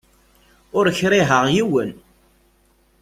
Ur kriheɣ yiwen!